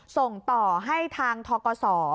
ส่งต่อให้ทางทกศ